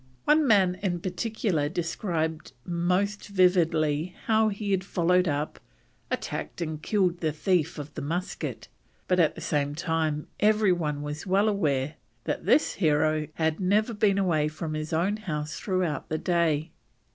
One man in particular described most vividly how he had followed up, attacked and killed the thief of the musket, but at the same time every one was well aware that this hero had never been away from his own house throughout the day.